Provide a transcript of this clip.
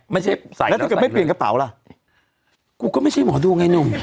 ไม่ใช่ใส่แล้วถ้าเกิดไม่เปลี่ยนกระเป๋าล่ะกูก็ไม่ใช่หมอดูไงหนุ่ม